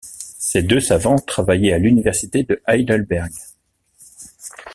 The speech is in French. Ces deux savants travaillaient à l'université de Heidelberg.